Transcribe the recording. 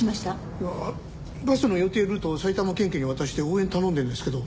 いやバスの予定ルートを埼玉県警に渡して応援を頼んでるんですけど